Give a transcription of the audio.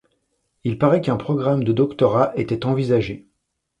Il parait qu'un programme de Doctorat était envisagé.